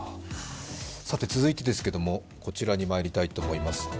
続いてですけれども、こちらにまいりたいと思います。